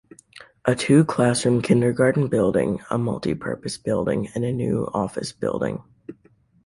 A two classroom kindergarten building, a multi-purpose building, and a new office building.